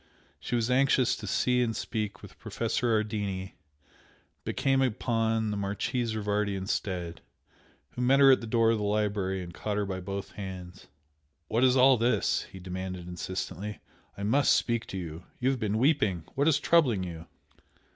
She was anxious to see and speak with Professor Ardini, but came upon the Marchese Rivardi instead, who met her at the door of the library and caught her by both hands. "What is all this?" he demanded, insistently "I MUST speak to you! You have been weeping! What is troubling you?"